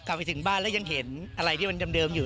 ไปถึงบ้านแล้วยังเห็นอะไรที่มันเดิมอยู่